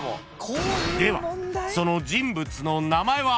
［ではその人物の名前は？］